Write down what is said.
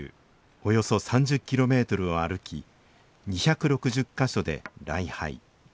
およそ３０キロメートルを歩き２６０か所で礼拝。